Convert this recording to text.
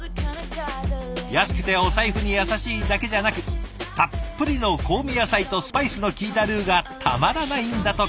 安くてお財布に優しいだけじゃなくたっぷりの香味野菜とスパイスのきいたルーがたまらないんだとか。